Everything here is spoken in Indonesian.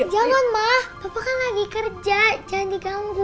jangan ma papa kan lagi kerja jangan diganggu